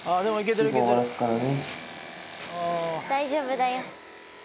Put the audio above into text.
大丈夫だよ。